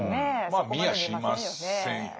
まあ見やしませんよね。